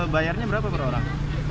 bayarnya berapa per orang